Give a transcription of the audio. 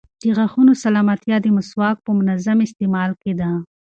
د غاښونو سلامتیا د مسواک په منظم استعمال کې ده.